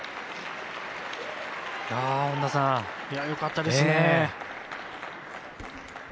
よかったですね。